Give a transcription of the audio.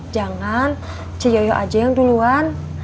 jangan ce yoyo aja yang duluan